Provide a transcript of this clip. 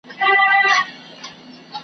د تیارې غېږي ته درومم .